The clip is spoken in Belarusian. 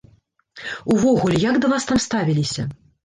Увогуле, як да вас там ставіліся?